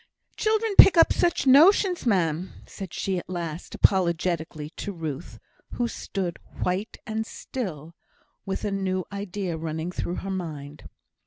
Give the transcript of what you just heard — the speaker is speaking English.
"Children pick up such notions, ma'am," said she at last, apologetically, to Ruth, who stood, white and still, with a new idea running through her mind.